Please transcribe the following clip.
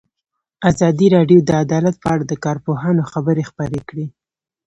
ازادي راډیو د عدالت په اړه د کارپوهانو خبرې خپرې کړي.